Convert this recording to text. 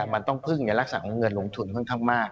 มันต้องพึ่งในลักษณะของเงินลงทุนค่อนข้างมาก